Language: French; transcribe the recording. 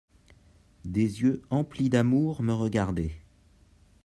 Des yeux emplis d'amour me regardaient.